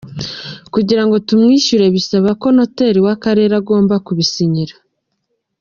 Kugirango tumwishyure bisaba ko noteri w’akarere agomba kubisinyira.